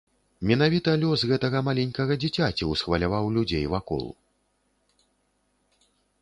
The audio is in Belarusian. Менавіта лёс гэтага маленькага дзіцяці ўсхваляваў людзей вакол.